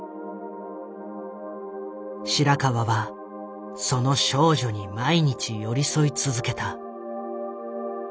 白川はその少女に毎日寄り添い続けた。